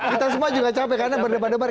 kita semua juga capek karena bener bener